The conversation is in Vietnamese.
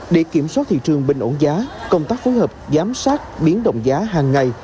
để kiểm soát thị trường bình ổn giá công tác phối hợp giám sát biến động giá hàng ngày